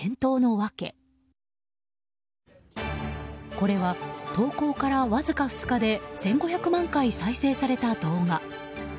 これは、投稿からわずか２日で１５００万回再生された動画。